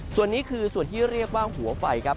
ส่วนนี้คือส่วนที่เรียกว่าหัวไฟครับ